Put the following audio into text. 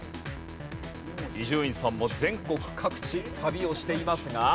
伊集院さんも全国各地旅をしていますが。